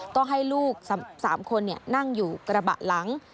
ก็ให้ลูก๓คนนั่งอยู่กระบะหลัง